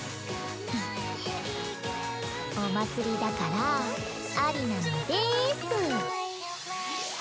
お祭りだからありなのです。